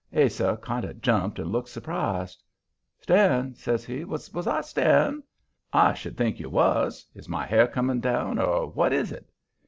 Ase kind of jumped and looked surprised. "Staring?" says he. "Was I staring?" "I should think you was! Is my hair coming down, or what is it?"